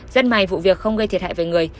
dân may vụ việc không gây thiệt hại với người